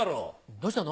どうしたの？